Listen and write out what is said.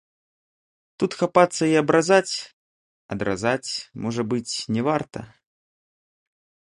Тут хапацца і абразаць, адразаць, можа быць, не варта.